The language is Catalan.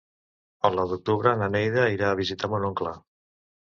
El nou d'octubre na Neida irà a visitar mon oncle.